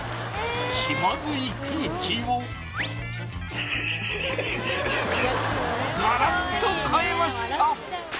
気まずい空気をガラッと変えました